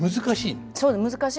難しい？